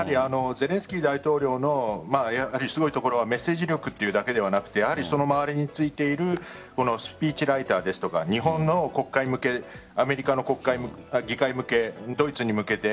ゼレンスキー大統領のすごいところはメッセージ力というだけではなくて周りについているスピーチライターですとか日本の国会向けアメリカの議会向けドイツに向けて。